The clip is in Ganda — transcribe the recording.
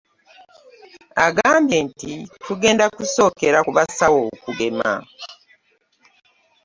Agambye nti, “Tugenda kusookera ku basawo okugema"